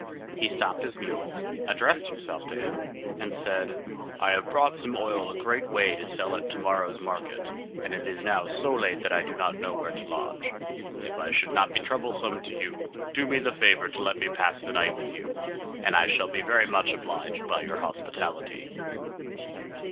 He stopped his mules, addressed himself to him, and said, "I have brought some oil a great way to sell at to morrow's market; and it is now so late that I do not know where to lodge. If I should not be troublesome to you, do me the favor to let me pass the night with you, and I shall be very much obliged by your hospitality."